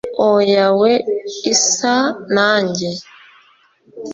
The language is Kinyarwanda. o yawe isa na njye